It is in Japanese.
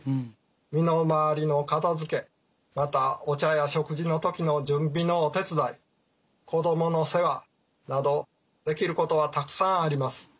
身の回りの片づけまたお茶や食事の時の準備のお手伝い子どもの世話などできることはたくさんあります。